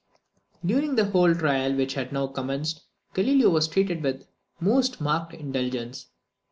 During the whole of the trial which had now commenced, Galileo was treated with the most marked indulgence.